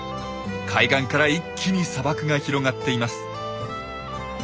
海岸から一気に砂漠が広がっています。